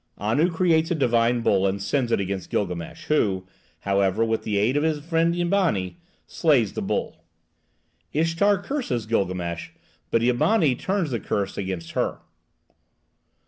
Anu creates a divine bull and sends it against Gilgamesh, who, however, with the aid of his friend Eabani, slays the bull. Ishtar curses Gilgamesh, but Eabani turns the curse against her.